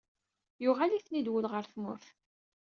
Yuɣal-iten-id wul ɣer tmurt.